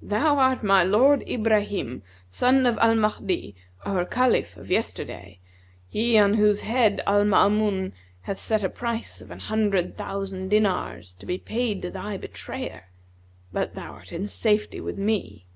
Thou art my lord Ibrahim, son of Al Mahdi, our Caliph of yesterday, he on whose head Al Maamun hath set a price of an hundred thousand dinars to be paid to thy betrayer: but thou art in safety with me.'